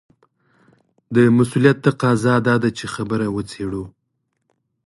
د مسووليت تقاضا دا ده چې خبره وڅېړو.